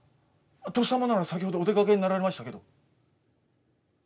鳥栖様なら先ほどお出かけになられましたけど。